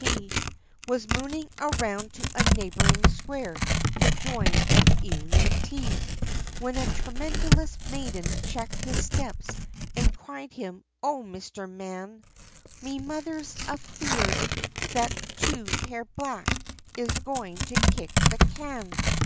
C.P. Was mooning around, to a neighbouring square, to join in an evening tea, When a tremulous maiden, checked his steps, and cried him, "O Mister Man, Me mother's afeered, that the two pair back, is goin' to kick the can!